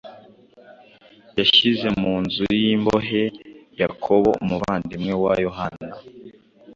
Yashyize mu nzu y’imbohe Yakobo umuvandimwe wa Yohana,